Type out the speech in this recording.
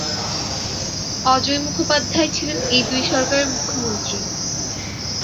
অজয় মুখোপাধ্যায় ছিলেন এই দুই সরকারের মুখ্যমন্ত্রী।